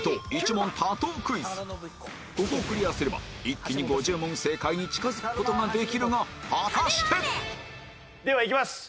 ここをクリアすれば一気に５０問正解に近付く事ができるが果たしてではいきます。